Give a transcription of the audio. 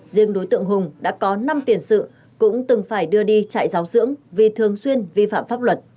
riêng đối tượng hùng đã có năm tiền sự cũng từng phải đưa đi trại giáo dưỡng vì thường xuyên vi phạm pháp luật